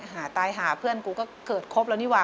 หายตายหาเพื่อนกูก็เกิดครบแล้วนี่ว่